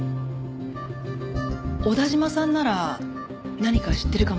小田嶋さんなら何か知ってるかもしれません。